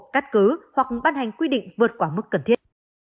cắt cứ hoặc ban hành quy định vượt qua mức cần thiết